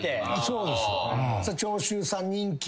そうです。